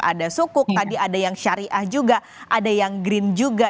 ada sukuk tadi ada yang syariah juga ada yang green juga